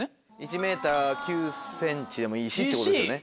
１ｍ９ｃｍでもいいしってことですよね。